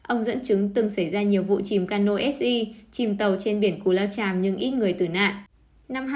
ông dẫn chứng từng xảy ra nhiều vụ chìm cano si chìm tàu trên biển cú lao chàm nhưng ít người tử nạn